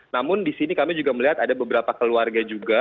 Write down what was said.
namun di sini kami juga melihat ada beberapa keluarga juga